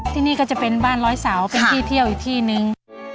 ที่นี่ก็จะเป็นบ้านร้อยเสาเป็นที่เที่ยวอีกที่นึง